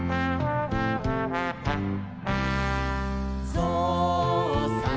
「ぞうさん